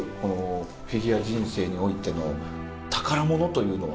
フィギュア人生においての宝物というのは？